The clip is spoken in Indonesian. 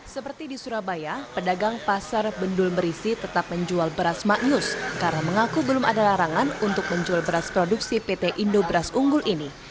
seperti di surabaya pedagang pasar bendul berisi tetap menjual beras maknyus karena mengaku belum ada larangan untuk menjual beras produksi pt indo beras unggul ini